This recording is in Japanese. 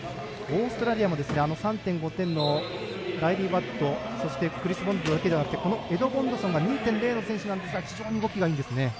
オーストラリアも、３．５点のライリー・バット、そしてクリス・ボンドだけではなくてエドモンドソンが２．０の選手なんですが非常に動きがいいんですね。